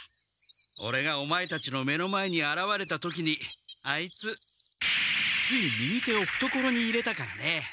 オレがオマエたちの目の前にあらわれた時にアイツつい右手をふところに入れたからね。